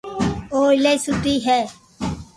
او ايلائي سوٺي ھي